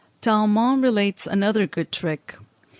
Tallemant relates another good trick.